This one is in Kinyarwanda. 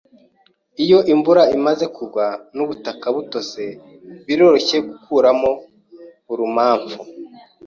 Iyo imvura imaze kugwa nubutaka butose, biroroshye gukuramo urumamfu.